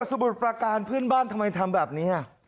สมุทรประการเพื่อนบ้านทำไมทำแบบนี้